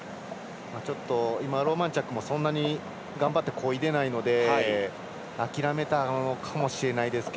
ローマンチャックもそんなに頑張ってこいでないので諦めたのかもしれないですが。